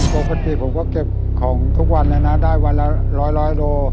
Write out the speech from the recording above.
ปกติผมก็เก็บของทุกวันเลยนะได้วันละ๑๐๐โล